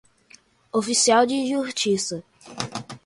oficial de justiça